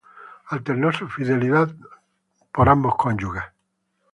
Alternó su fidelidad por ambos cónyuges.